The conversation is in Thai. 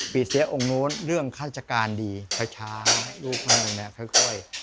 ปีเซียองค์นู้นเรื่องฆาตการดีช้าลูกมันแม่ค่อย